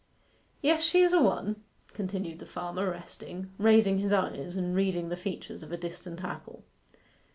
Yes, she is a one,' continued the farmer, resting, raising his eyes, and reading the features of a distant apple.